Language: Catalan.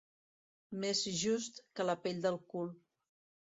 Més just que la pell del cul.